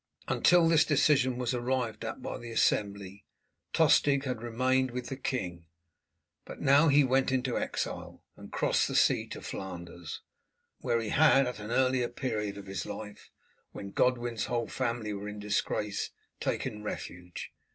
Until this decision was arrived at by the assembly Tostig had remained with the king, but he now went into exile, and crossed the sea to Flanders, where he had at an earlier period of his life, when Godwin's whole family were in disgrace, taken refuge.